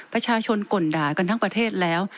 ประชาชนก่นด่ากันทั้งประเทศแล้ว